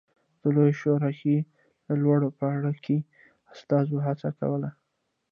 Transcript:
د لویې شورا کې د لوړ پاړکي استازو هڅه کوله